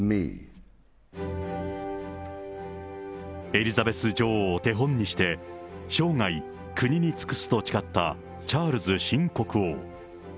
エリザベス女王を手本にして、生涯、国に尽くすと誓ったチャールズ新国王。